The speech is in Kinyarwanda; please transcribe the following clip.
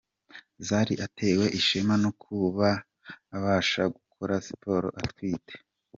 Zari atewe ishema no kuba abasha gukora siporo atwite.